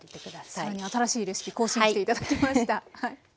更に新しいレシピ更新して頂きました。